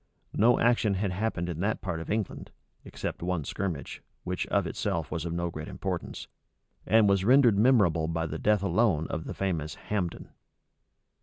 No action had happened in that part of England, except one skirmish, which of itself was of no great consequence, and was rendered memorable by the death alone of the famous Hambden.